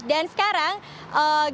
dan sekarang gerbang tol